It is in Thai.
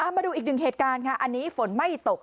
มาดูอีกดึงเหตุการณ์ค่ะฝนไม่ตก